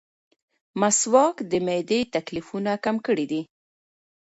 مسواک د معدې تکلیفونه کم کړي دي.